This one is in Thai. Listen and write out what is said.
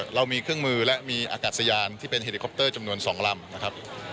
เรามีเครื่องมือและมีอากาศยานที่เป็นเฮลิคอปเตอร์จำนวน๒ลำนะครับ